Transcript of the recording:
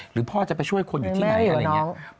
หรือพ่อจะไปช่วยคนอยู่ที่ไหนอะไรอย่างนี้